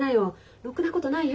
ろくなことないよ。